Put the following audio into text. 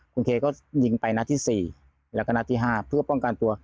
คุณเคก็ยิงไปนัดที่๔แล้วก็นัดที่๕เพื่อป้องกันตัว